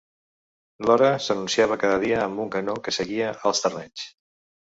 L'hora s'anunciava cada dia amb un canó que seguia als terrenys.